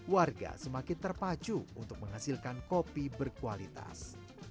warga semakin terpacu untuk menghasilkan kopi berkualitas